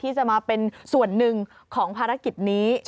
ที่จะมาเป็นส่วนหนึ่งของภารกิจนี้